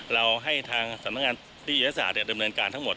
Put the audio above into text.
เราให้ทางสำหรับงานที่ดิเวศาสตร์เนี่ยดำเนินการทั้งหมด